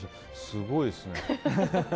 すごいですね。